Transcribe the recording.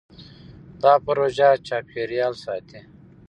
دا پروژه چاپېریال ساتي.